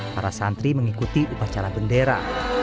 para santri mengikuti upacara bendera